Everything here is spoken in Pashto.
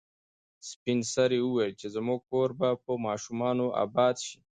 سپین سرې وویل چې زموږ کور به په ماشومانو اباد شي.